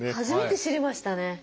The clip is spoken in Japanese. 初めて知りましたね。